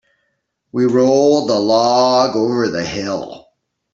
We rolled the log over the hill.